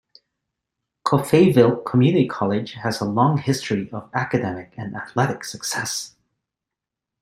Coffeyville Community College has a long history of academic and athletic success.